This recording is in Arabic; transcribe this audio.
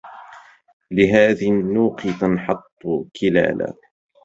لهذي النوق تنحط كلالا